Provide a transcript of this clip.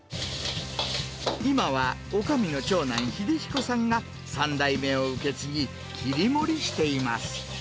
今はおかみの長男、秀彦さんが３代目を受け継ぎ、切り盛りしています。